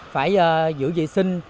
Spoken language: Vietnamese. phải giữ dị sinh